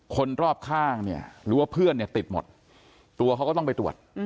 คนรอบข้างเนี่ยหรือว่าเพื่อนเนี่ยติดหมดตัวเขาก็ต้องไปตรวจ